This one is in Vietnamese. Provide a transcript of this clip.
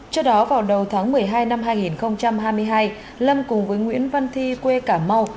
trước đó vào đầu tháng một mươi hai năm hai nghìn hai mươi hai lâm cùng với nguyễn văn thi quê cả mau